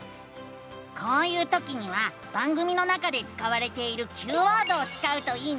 こういうときには番組の中で使われているＱワードを使うといいのさ！